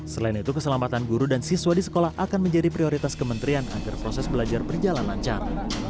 selain itu keselamatan guru dan siswa di sekolah akan menjadi prioritas kementerian agar proses belajar berjalan lancar